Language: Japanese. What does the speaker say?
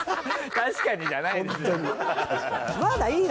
確かにじゃないですよ。